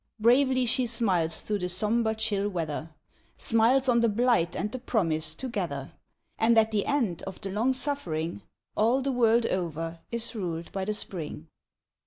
Bravely she smiles through the somber chill weather, Smiles on the blight and the promise together ; And at the end of the long suffering All the world over is ruled by the Spring.